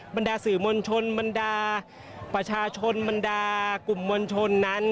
บรรดาสื่อมวลชนบรรดาประชาชนบรรดากลุ่มมวลชนนั้น